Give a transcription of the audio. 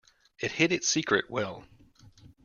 It hid its secret well.